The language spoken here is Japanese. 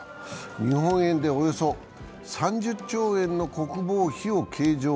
日本円でおよそ３０兆円の国防費を計上。